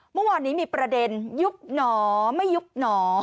เมื่อวานนี้มีประเด็นยุบหนอไม่ยุบหนอ